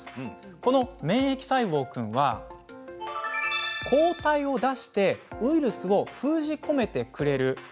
この免疫細胞君は抗体を出してウイルスを封じ込めてくれるんです。